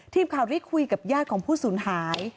ทีมข่าวได้คุยกับญาติของผู้สูญหาย